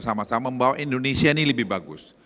sama sama membawa indonesia ini lebih bagus